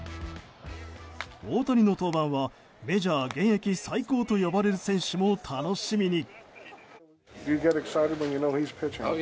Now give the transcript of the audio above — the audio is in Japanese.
大谷の登板はメジャー現役最高と呼ばれる選手も楽しみに。